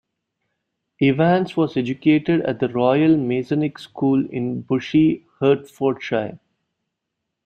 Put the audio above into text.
Evans was educated at the Royal Masonic School in Bushey, Hertfordshire.